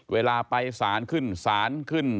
เวลาไปสารขึ้นศาลขึ้น